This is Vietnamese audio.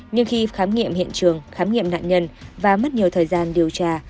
nhưng khi khám nghiệm hiện trường khám nghiệm nạn nhân và mất nhiều thời gian điều tra